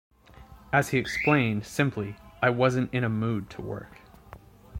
As he explained, Simply, I wasn't in a mood to work.